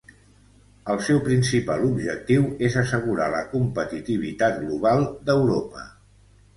El seu principal objectiu és assegurar la competitivitat global d'Europa.